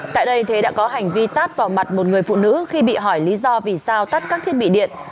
tại đây thế đã có hành vi tát vào mặt một người phụ nữ khi bị hỏi lý do vì sao tắt các thiết bị điện